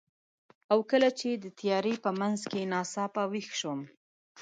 او کله چې د تیارې په منځ کې ناڅاپه ویښ شوم،